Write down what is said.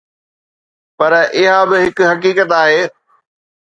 پر اها به هڪ حقيقت آهي.